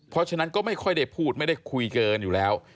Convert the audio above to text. เพราะฉะนั้นก็ไม่ค่อยได้พูดไม่ได้คุยเกินอยู่แล้ว